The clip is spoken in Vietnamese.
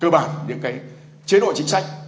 cơ bản những cái chế độ chính sách